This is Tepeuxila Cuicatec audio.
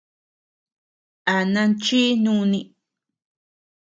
A nanchí núni.